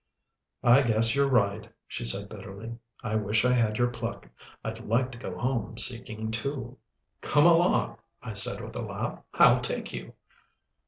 "I guess you're right," she said bitterly. "I wish I had your pluck. I'd like to go home seeking too." "Come along," I said with a laugh. "I'll take you."